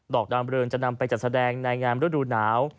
อกดามเริงจะนำไปจัดแสดงในงานฤดูหนาว